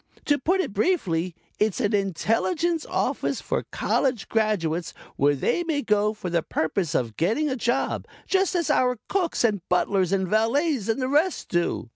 To put it briefly, it's an Intelligence Office for College graduates where they may go for the purpose of getting a job, just as our cooks, and butlers and valets and the rest do.